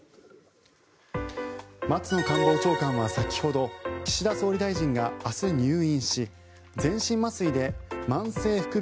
松野官房長官は先ほど岸田総理大臣が明日、入院し全身麻酔で慢性副鼻腔